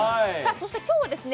そして今日はですね